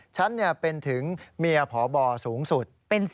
ฉันเป็นถึงเมียพบสูงสุด